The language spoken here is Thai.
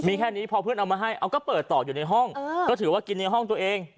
มีแค่นี้ที่พอเพื่อนเอามันให้ก็เนี่ยเอาเปิดต่ออยู่ในห้อง